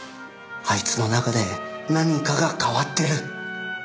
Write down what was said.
あいつの中で何かが変わってる。